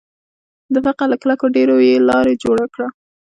د فقر له کلکو ډبرو یې لاره جوړه کړه